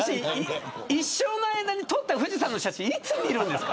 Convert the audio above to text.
一生の間に撮った富士山の写真いつ見るんですか。